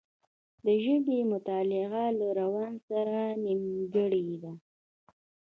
د ژبې مطالعه له روان سره نېمګړې ده